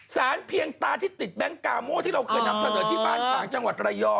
สารเพียงตาที่ติดแบงค์กาโม่ที่เราเคยนำเสนอที่บ้านฉางจังหวัดระยอง